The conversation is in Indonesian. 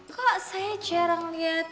kok saya jarang lihat